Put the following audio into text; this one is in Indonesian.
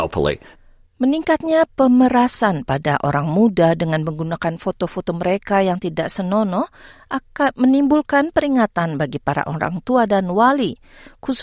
peter dutton tergolong dalam perang terhadap woolworths